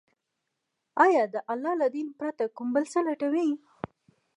آيا د الله له دين پرته كوم بل څه لټوي،